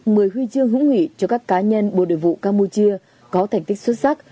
mười huy chương hữu nghị cho các cá nhân bộ đội vụ campuchia có thành tích xuất sắc